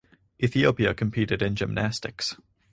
Ethiopia competed in gymnastics.